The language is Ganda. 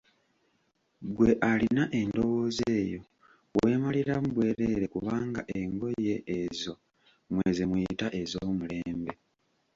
Ggwe alina endowooza eyo weemaliramu bwereere kubanga engoye ezo mmwe ze muyita ez'omulembe.